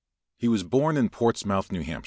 He was born in Portsmouth, N. H.